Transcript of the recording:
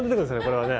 これはね。